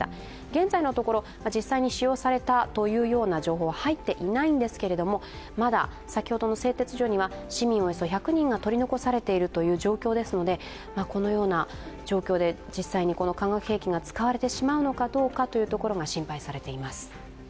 現在のところ、実際に使用されたというような情報は入っていないんですけれどもまだ先ほどの製鉄所には市民およそ１００人が取り残されている状況ですのでこのような状況で実際に化学兵器が使われてしまうのかどうかというところが心配されています。